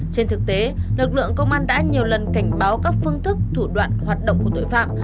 trên thực tế lực lượng công an đã nhiều lần cảnh báo các phương thức thủ đoạn hoạt động của tội phạm